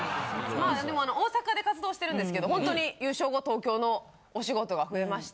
でも大阪で活動してるんですけどほんとに優勝後東京のお仕事が増えまして。